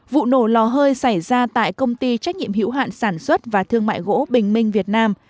vụ nổ lò hơi xảy ra tại công ty trách nhiệm hữu hạn sản xuất và thương mại gỗ bình minh việt nam